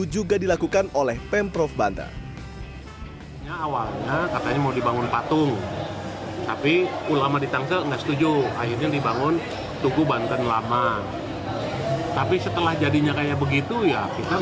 pekerjaan proyek pembangunan tugu juga dilakukan oleh pemprov banten